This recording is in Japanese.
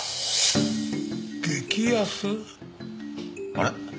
あれ？